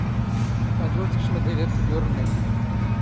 ⴰⴷ ⵓⵔ ⵜⴽⵛⵎⴷ ⵉⴳ ⴰⴽ ⵜ ⵉⴷ ⵓⵔ ⵏⵏⵉⵏ.